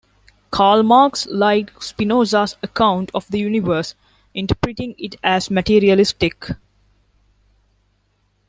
Karl Marx liked Spinoza's account of the universe, interpreting it as materialistic.